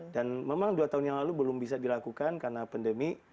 dan memang dua tahun yang lalu belum bisa dilakukan karena pandemi